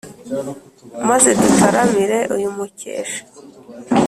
Maze dutaramire uyu mukesha!